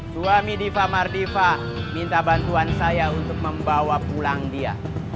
suami diva mardiva minta bantuan saya untuk membawa pulang dia